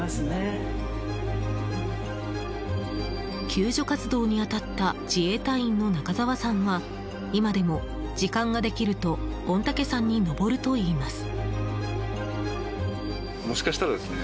救助活動に当たった自衛隊員の中沢さんは今でも時間ができると御嶽山に登るといいます。